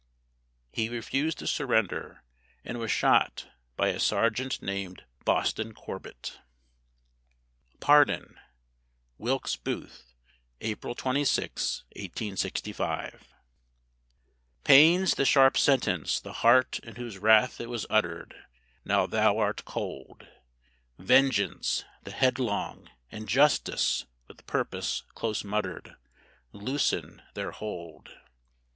He refused to surrender and was shot by a sergeant named Boston Corbett. PARDON WILKES BOOTH APRIL 26, 1865 Pains the sharp sentence the heart in whose wrath it was uttered, Now thou art cold; Vengeance, the headlong, and Justice, with purpose close muttered, Loosen their hold.